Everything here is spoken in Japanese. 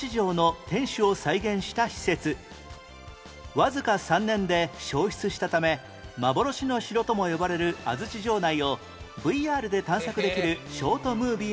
わずか３年で焼失したため幻の城とも呼ばれる安土城内を ＶＲ で探索できるショートムービーも話題に